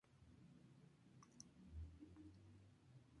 Distribución por islas: Ibiza, Mallorca, Menorca.